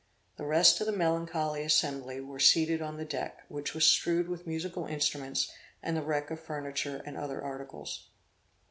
The rest of the melancholy assembly were seated on the deck, which was strewed with musical instruments, and the wreck of furniture and other articles.